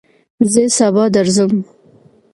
زه سبا درځم